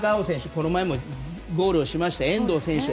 この前もゴールをしました遠藤選手は